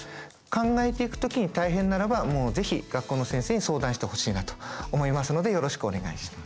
考えていく時に大変ならばもう是非学校の先生に相談してほしいなと思いますのでよろしくお願いします。